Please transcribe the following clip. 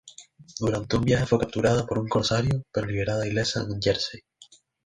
Durante un viaje fue capturada por un corsario, pero liberada ilesa en Jersey.